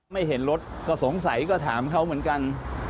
ไม่เห็นรถก็สงสัยก็ถามเขาเหมือนกัน